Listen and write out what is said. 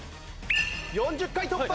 ４０回突破。